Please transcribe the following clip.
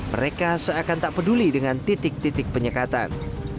mereka seakan tak peduli dengan titik titik penyekatan